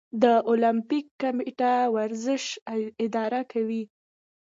د المپیک کمیټه ورزش اداره کوي